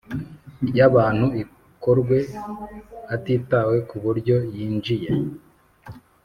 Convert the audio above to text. Ry abantu ikorwe hatitawe ku buryo yinjiye